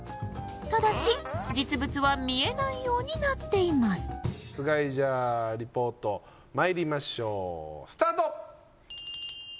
ただし実物は見えないようになっています菅井じゃあリポートまいりましょうスタート！